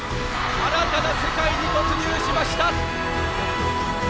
新たな世界に突入しました！